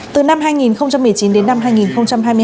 từ năm hai nghìn một mươi chín đến năm hai nghìn hai mươi hai